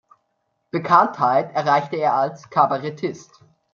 Bekanntheit erreichte er als Kabarettist.